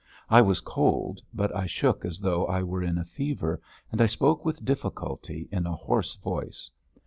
I was cold, but I shook as though I were in a fever, and I spoke with difficulty in a hoarse voice.